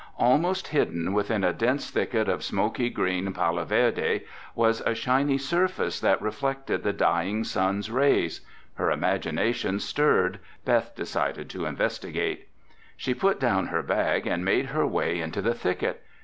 Almost hidden within a dense thicket of smoky green paloverde was a shiny surface that reflected the dying sun's rays. Her imagination stirred, Beth decided to investigate. She put down her bag and made her way into the thicket.